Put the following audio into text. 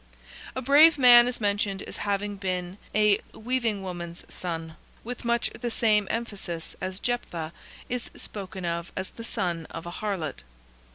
A brave man is mentioned as having been a "weaving woman's son," with much the same emphasis as Jeptha is spoken of as the son of an Harlot.